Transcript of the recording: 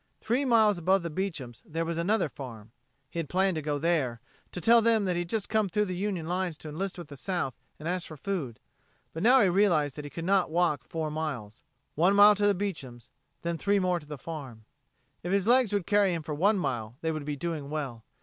Three miles above the Beecham's there was another farm. He had planned to go there, to tell them that he had just come through the Union lines to enlist with the South, and ask for food. But now he realized that he could not walk four miles one mile to the Beecham's, then three more to the farm. If his legs would carry him for one mile, they would be doing well.